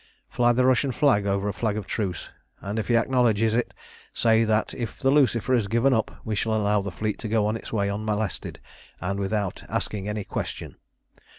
Fly the Russian flag over a flag of truce, and if he acknowledges it say that if the Lucifer is given up we shall allow the fleet to go on its way unmolested and without asking any question.